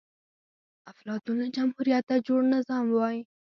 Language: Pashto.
افلاطون له جمهوريته جوړ نظام وای